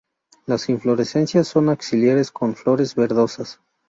Las inflorescencia son axilares con flores verdosas.